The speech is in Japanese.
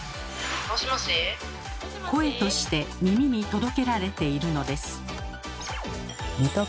声として耳に届けられているのです。